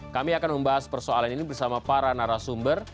kami akan membahas persoalan ini bersama para narasumber